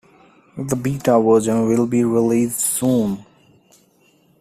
The Beta version will be released soon.